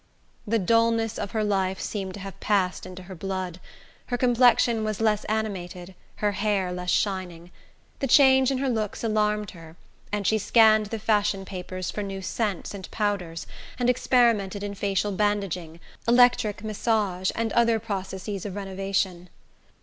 The dulness of her life seemed to have passed into her blood: her complexion was less animated, her hair less shining. The change in her looks alarmed her, and she scanned the fashion papers for new scents and powders, and experimented in facial bandaging, electric massage and other processes of renovation.